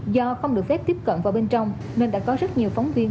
do không được phép tiếp cận vào bên trong nên đã có rất nhiều phóng viên